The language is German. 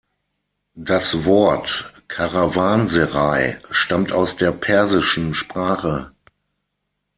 Das Wort "Karawanserei" stammt aus der persischen Sprache.